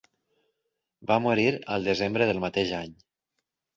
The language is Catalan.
Va morir al desembre del mateix any.